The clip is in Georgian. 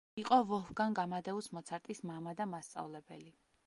იყო ვოლფგანგ ამადეუს მოცარტის მამა და მასწავლებელი.